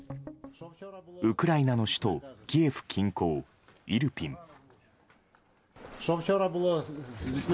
ウクライナの首都キエフ近郊イルピン。